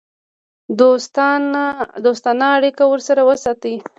دوستانه اړیکې ورسره وساتي.